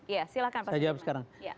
iya silahkan pak sudirman